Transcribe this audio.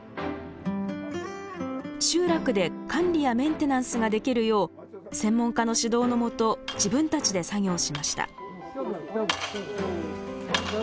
集落で管理やメンテナンスができるよう専門家の指導の下自分たちで作業しました。